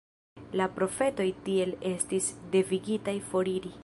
La profetoj tiel estis devigitaj foriri.